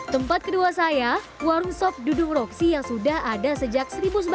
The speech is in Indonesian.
tempat kedua saya warung sop dudung roksi yang sudah ada sejak seribu sembilan ratus sembilan puluh